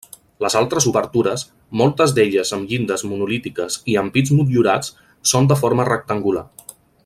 Les altres obertures, moltes d'elles amb llindes monolítiques i ampits motllurats, són de forma rectangular.